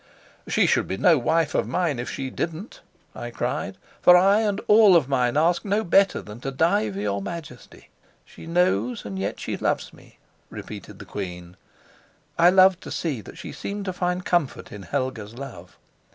"She should be no wife of mine, if she didn't," I cried. "For I and all of mine ask no better than to die for your Majesty." "She knows, and yet she loves me," repeated the queen. I loved to see that she seemed to find comfort in Helga's love.